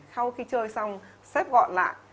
sau khi chơi xong xếp gọn lại